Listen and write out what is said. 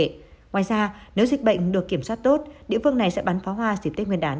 ngoài ra nếu dịch bệnh được kiểm soát tốt địa phương này sẽ bắn pháo hoa dịp tết nguyên đán hai nghìn hai mươi hai